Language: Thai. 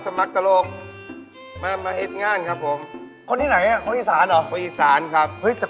เฮ่ยแต่คนอีสานนี่น่าโขงสารน่ะ